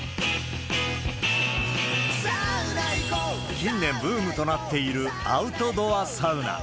近年ブームとなっているアウトドアサウナ。